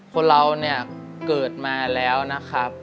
คนเราเนี่ยเกิดมาแล้วนะครับ